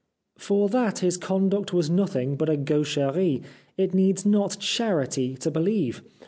For that his conduct was nothing but a gaucherie it needs not charity to believe.